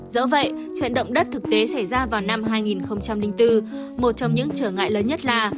dẫu vậy trận động đất thực tế xảy ra vào năm hai nghìn bốn một trong những trở ngại lớn nhất là